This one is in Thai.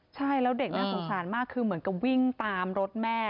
ใช่แล้วเด็กน่าสงสารมากคือเหมือนกับวิ่งตามรถแม่